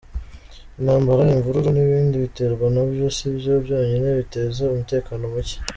Intambara, invururu, n’ibindi biterwa na byo si byo byonyine biteza umutekano muke.